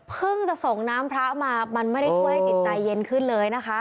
จะส่งน้ำพระมามันไม่ได้ช่วยให้ติดใจเย็นขึ้นเลยนะคะ